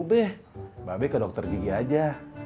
ya udah mbak be ke dokter gigi aja